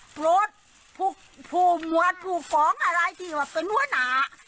โกรธผู้หมวดผู้ฟ้องอะไรที่ว่าเป็นหัวหน้า